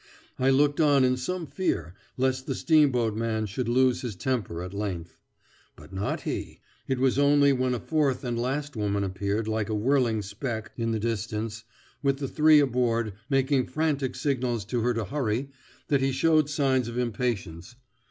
I looked on in some fear lest the steamboat man should lose his temper at length. But not he. It was only when a fourth and last woman appeared like a whirling speck in the distance, with the three aboard making frantic signals to her to hurry, that he showed signs of impatience.